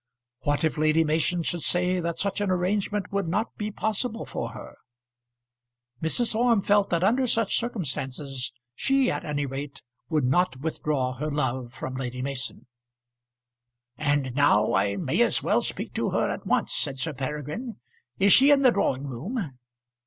What if Lady Mason should say that such an arrangement would not be possible for her. Mrs. Orme felt that under such circumstances she at any rate would not withdraw her love from Lady Mason. "And now I may as well speak to her at once," said Sir Peregrine. "Is she in the drawing room?"